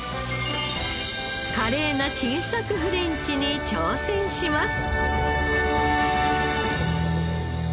華麗な新作フレンチに挑戦します！